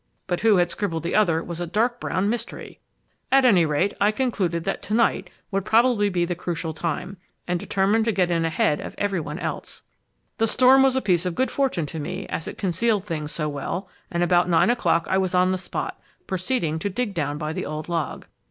But who had scribbled the other was a dark brown mystery. At any rate, I concluded that to night would probably be the crucial time, and determined to get in ahead of every one else. The storm was a piece of good fortune to me, as it concealed things so well, and about nine o'clock I was on the spot, proceeding to dig down by the old log.